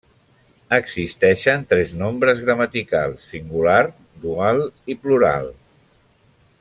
Existeixen tres nombres gramaticals, singular, dual, i plural.